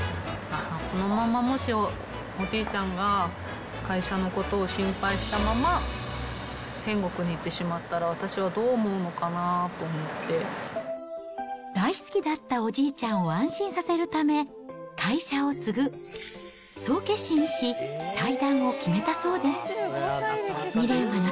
このままもしおじいちゃんが会社のことを心配したまま天国に行ってしまったら、大好きだったおじいちゃんを安心させるため、会社を継ぐ、そう決心し、退団を決めたそうです。